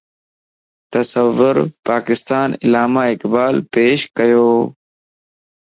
تصورِ پاڪستان علاما اقبال پيش ڪيو